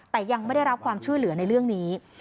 แต่ยังไม่ได้รับความช่วยเหลือในเรื่องนี้